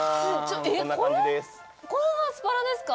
これがアスパラですか？